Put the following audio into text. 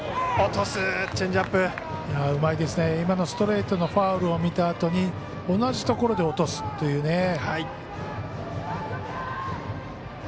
うまいですね、今のストレートのファウルを見たあと同じところで落とすというね。